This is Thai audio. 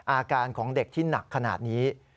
อาการของเด็กที่หนักขนาดนี้